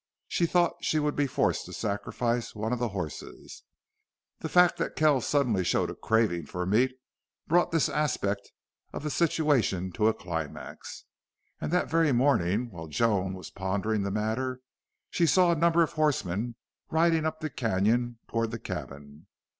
She thought she would be forced to sacrifice one of the horses. The fact that Kells suddenly showed a craving for meat brought this aspect of the situation to a climax. And that very morning while Joan was pondering the matter she saw a number of horsemen riding up the canon toward the cabin.